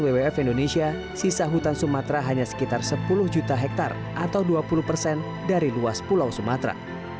kajian wwf indonesia juga menunjukkan bahwa penyusutan hutan sumatera berdampak langsung terhadap populasi satwa endemik seperti gajah sumatera